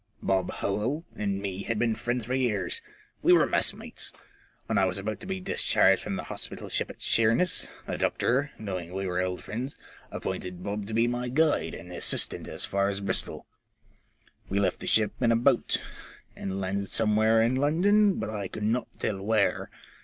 Bob Howell and me had been friends for years. We were messmates. When I was about to be discharged from the hospital ship at Sheerness, the doctor, knowing we were old friends, appointed Bob to be my guide and assistant to as far as Bristol. We left the ship in a boat, and landed somewhere in London, but I could not tell where.